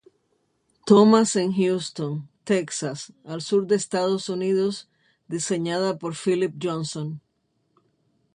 Thomas en Houston, Texas, al sur de Estados Unidos diseñada por Philip Johnson.